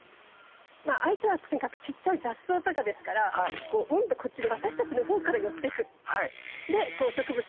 まあ相手はとにかくちっちゃい雑草とかですからうんとこっちで私たちの方から寄ってく。